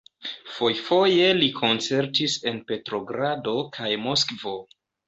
Fojfoje li koncertis en Petrogrado kaj Moskvo.